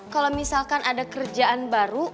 kalau misalkan ada kerjaan baru